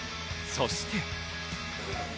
そして。